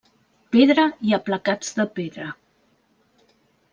Pedra i aplacats de pedra.